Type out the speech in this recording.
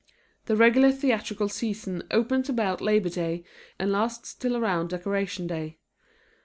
The regular theatrical season opens about Labor Day and lasts till around Decoration Day.